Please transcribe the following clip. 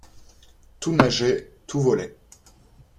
Tout nageait, tout volait.